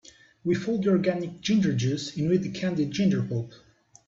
We fold the organic ginger juice in with the candied ginger pulp.